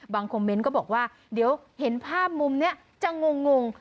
คอมเมนต์ก็บอกว่าเดี๋ยวเห็นภาพมุมนี้จะงง